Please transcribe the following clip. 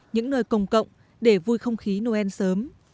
những nơi công cộng để vui không khí noel sớm